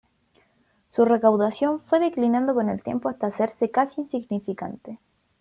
Su recaudación fue declinando con el tiempo hasta hacerse casi insignificante.